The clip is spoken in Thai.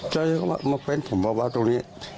เจ้าก็บอกว่ามักเป็นผมบอกว่าตรงนี้